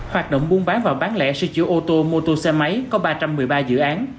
hoạt động buôn bán và bán lẻ sửa chữa ô tô mô tô xe máy có ba trăm một mươi ba dự án